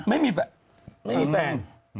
ไม่มีแฟน